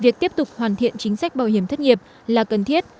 việc tiếp tục hoàn thiện chính sách bảo hiểm thất nghiệp là cần thiết